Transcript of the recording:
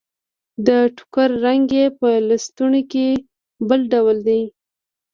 د ټوکر رنګ يې په لستوڼي کې بل ډول دی.